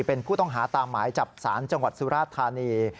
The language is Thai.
เป็นผู้ต้องหาตามหมายจับศาลจังหวัดสุราธานี